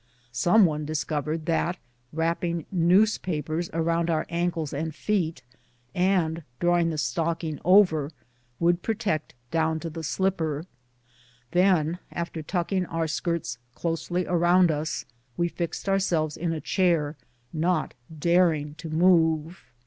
Some one discovered that wrapping newspapers around our ankles and feet, and drawing the stocking over, would protect down to the slipper ; then, after tucking our skirts closely around us, we fixed ourselves in a chair, not daring to move.